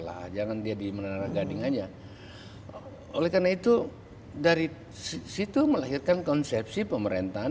lah jangan dia dimenangkan ingatnya oleh karena itu dari situ melahirkan konsepsi pemerintahan